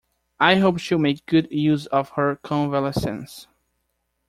I hope she will make good use of her convalescence.